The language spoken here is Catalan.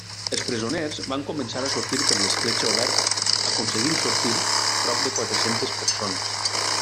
Els presoners van començar a sortir per l'escletxa oberta, aconseguint sortir prop de quatre-centes persones.